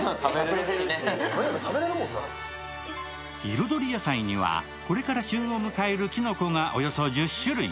彩り野菜にはこれから旬を迎えるきのこがおよそ１０種類。